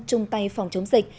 trung tay phòng chống dịch